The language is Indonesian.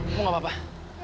kamu gak apa apa